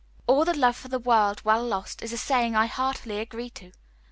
'All for love or the world well lost' is a saying I heartily agree to.